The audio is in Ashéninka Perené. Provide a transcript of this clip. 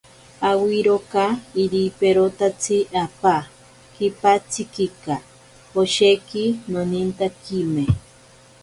Awiroka iriperotatsi apaa kipatsikika, osheki nonintakime.